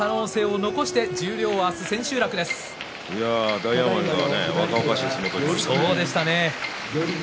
大奄美、若々しい相撲を取りましたね。